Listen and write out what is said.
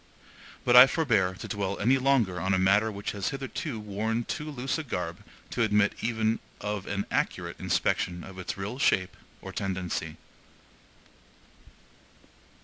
But I forbear to dwell any longer on a matter which has hitherto worn too loose a garb to admit even of an accurate inspection of its real shape or tendency.